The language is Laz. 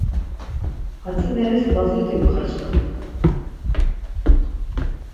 Hatzineris lazut̆i pxaçkat.